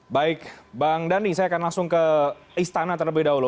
baik bang dhani saya akan langsung ke istana terlebih dahulu